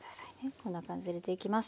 こんな感じで入れていきます